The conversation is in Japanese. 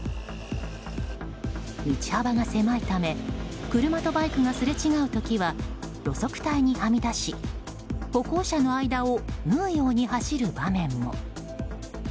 道幅が狭いため車とバイクがすれ違う時は路側帯にはみ出し歩行者の間を縫うように走る場面も。